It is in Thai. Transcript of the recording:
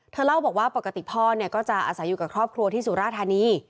เล่าบอกว่าปกติพ่อเนี่ยก็จะอาศัยอยู่กับครอบครัวที่สุราธานี